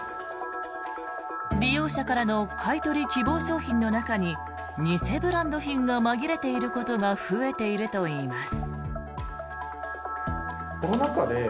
利用者からの買い取り希望商品の中に偽ブランド品が紛れていることが増えているといいます。